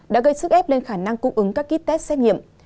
đã gây sức ép lên khả năng cung ứng các ký test xét nghiệm